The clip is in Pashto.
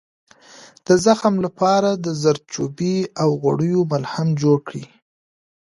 د زخم لپاره د زردچوبې او غوړیو ملهم جوړ کړئ